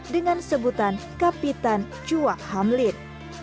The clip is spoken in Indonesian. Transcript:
dengan sebutan kapitan chua hamlin